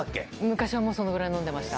昔はもうそのくらい飲んでました。